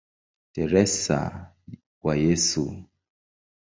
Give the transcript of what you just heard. Teresa wa Yesu".